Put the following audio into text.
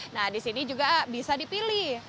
nah di sini juga bisa dipilih